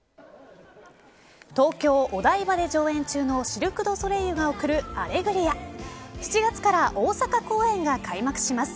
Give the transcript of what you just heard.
東京、お台場で上演中のシルク・ドゥ・ソレイユが送るアレグリア７月から大阪公演が開幕します。